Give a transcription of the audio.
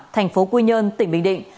thành phố quy nhơn tỉnh bình định